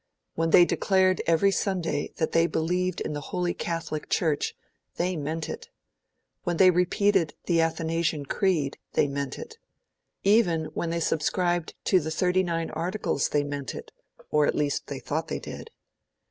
When they declared every Sunday that they believed in the Holy Catholic Church, they meant it. When they repeated the Athanasian Creed, they meant it. Even, when they subscribed to the Thirty nine Articles, they meant it or at least they thought they did.